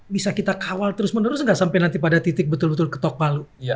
bisa kita kawal terus menerus nggak sampai nanti pada titik betul betul ketok palu